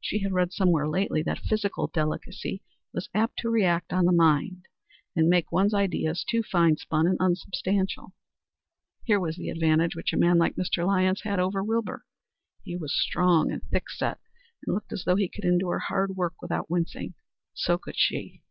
She had read somewhere lately that physical delicacy was apt to react on the mind and make one's ideas too fine spun and unsubstantial. Here was the advantage which a man like Mr. Lyons had over Wilbur. He was strong and thickset, and looked as though he could endure hard work without wincing. So could she.